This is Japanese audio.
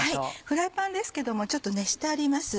フライパンですけどもちょっと熱してあります。